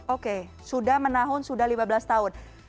oke sudah menahun sudah lima belas tahun